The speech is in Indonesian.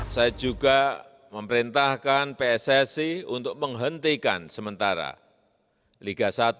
saya juga memerintahkan pssi untuk menghentikan sementara liga satu